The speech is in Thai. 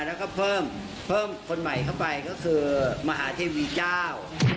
แล้วก็เพิ่มเพิ่มคนใหม่เข้าไปก็คือมหาเทวีเจ้า